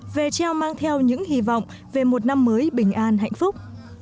về treo mang theo những hy vọng về một năm mới bình an hạnh phúc